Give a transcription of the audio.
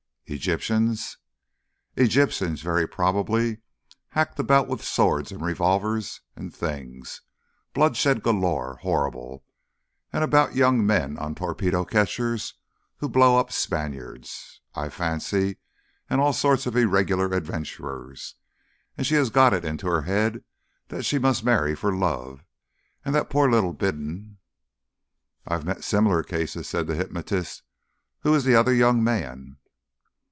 "Egyptians." "Egyptians very probably. Hack about with swords and revolvers and things bloodshed galore horrible! and about young men on torpedo catchers who blow up Spaniards, I fancy and all sorts of irregular adventurers. And she has got it into her head that she must marry for Love, and that poor little Bindon " "I've met similar cases," said the hypnotist. "Who is the other young man?"